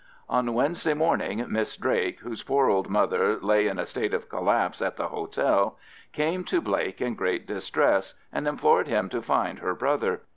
On Wednesday morning Miss Drake, whose poor old mother lay in a state of collapse at the hotel, came to Blake in great distress, and implored him to find her brother.